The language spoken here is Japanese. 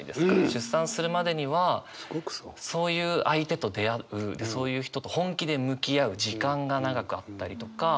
出産するまでにはそういう相手と出会うでそういう人と本気で向き合う時間が長くあったりとか。